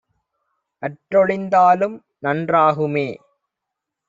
அற்றொழிந் தாலும்நன் றாகுமே!